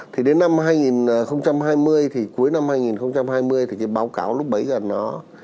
thì đến năm hai nghìn hai mươi thì cuối năm hai nghìn hai mươi thì cái báo cáo lúc bấy giờ nó